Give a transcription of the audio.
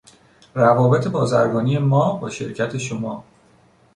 روابط بازرگانی ما با شرکت شما